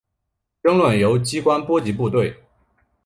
争论由机关波及部队。